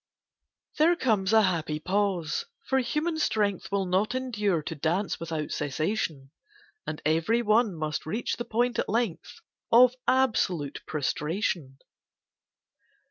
There comes a happy pause, for human strength Will not endure to dance without cessation; And every one must reach the point at length Of absolute prostration.